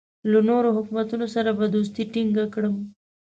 له نورو حکومتونو سره به دوستي ټینګه کړم.